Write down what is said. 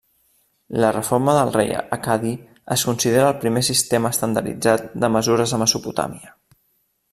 La reforma del rei accadi es considera el primer sistema estandarditzat de mesures a Mesopotàmia.